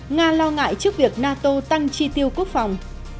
ngoại trước việc nato tăng chi tiêu quốc phòng